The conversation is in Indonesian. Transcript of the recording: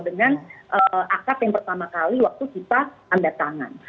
dengan akad yang pertama kali waktu kita andatangan